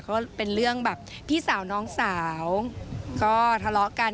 ก็เป็นเรื่องแบบพี่สาวน้องสาวก็ทะเลาะกัน